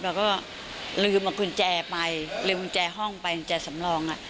เราก็ลืมเอากุญแจไปลืมกุญแจห้องไปกุญแจสำรองอ่ะ